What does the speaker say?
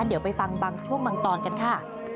เดี๋ยวไปฟังบางช่วงบางตอนกันค่ะ